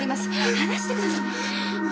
離してください。